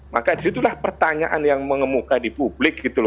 maka disitulah pertanyaan yang mengemukai di publik